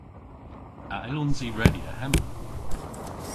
A yllons i redya hemma?